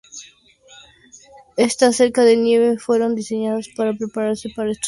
Estas cercas de nieve fueron diseñadas para prepararse para estos casos.